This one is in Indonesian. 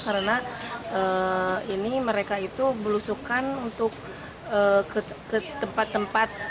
karena ini mereka itu berusukan untuk ke tempat tempat